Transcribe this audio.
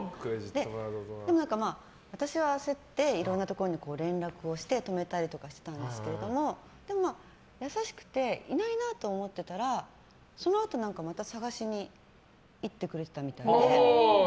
でも、私は焦っていろいろなところに連絡をして止めたりとかしたんですけれども優しくていないなと思っていたらそのあとまた探しにいってくれてたみたいで。